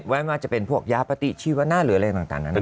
ไม่ว่าจะเป็นพวกยาปฏิชีวนะหรืออะไรต่างนั้น